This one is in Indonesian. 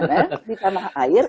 di tanah air